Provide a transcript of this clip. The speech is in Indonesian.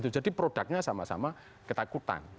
jadi produknya sama sama ketakutan